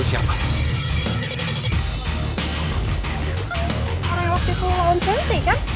orang yang waktu itu lawan sesi kan